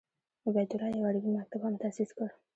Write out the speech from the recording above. عبیدالله یو عربي مکتب هم تاسیس کړ.